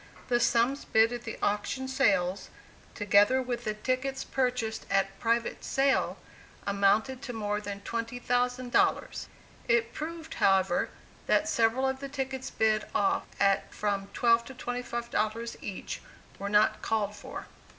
The sums bid at the auction sales, together with the tickets purchased at private sale, amounted to more than $20,000. It proved, however, that several of the tickets bid off at from $12 to $25 each, were not called for.